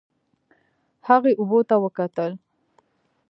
هغې اوبو ته وکتل.